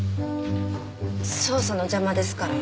捜査の邪魔ですから。